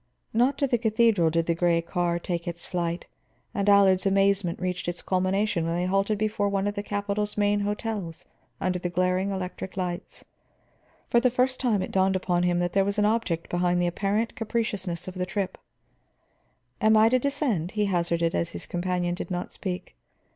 Not to the cathedral did the gray car take its flight, and Allard's amazement reached its culmination when they halted before one of the capital's main hotels, under the glaring electric lights. For the first time it dawned upon him that there was an object behind the apparent capriciousness of the trip. "I am to descend?" he hazarded, as his companion did not speak.